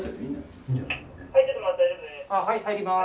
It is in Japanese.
はい入ります。